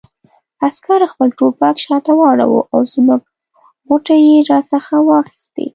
عسکر خپل ټوپک شاته واړاوه او زموږ غوټې یې را څخه واخیستې.